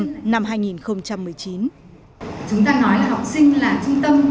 chúng ta nói là học sinh là trung tâm tuy nhiên vào cái thời điểm này giáo viên là những người cần được quan tâm trước